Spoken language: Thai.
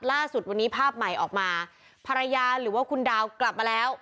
ล่าสุดวันนี้ภาพใหม่ออกมาภรรยาหรือว่าคุณดาวกลับมาแล้ว